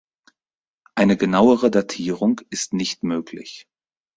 Eine genauere Datierung ist nicht möglich.